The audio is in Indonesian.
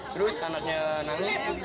terus anaknya nangis